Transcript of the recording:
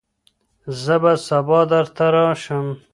زه به سبا درته راشم.